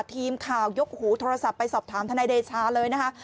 ทีมข่าวยกหูโทรศัพท์ไปสอบถามทนายเดชาเลยนะคะ